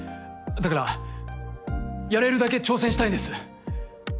だからやれるだけ挑戦したいです。